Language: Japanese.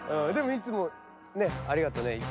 でもいつもねっありがとね。